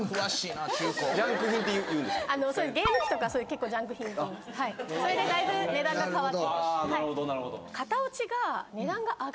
ジャンクゲーム機とか結構ジャンク品ってはいそれでだいぶ値段が変わってあ